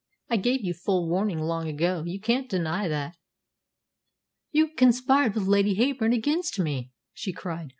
"I gave you full warning long ago. You can't deny that." "You conspired with Lady Heyburn against me!" she cried.